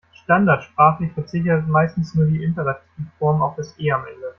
Standardsprachlich verzichtet meistens nur die Imperativform auf das E am Ende.